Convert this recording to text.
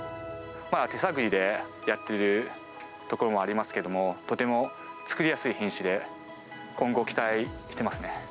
手探りでやってるところもありますけども、とても作りやすい品種で、今後、期待してますね。